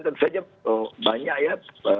tentu saja banyak ya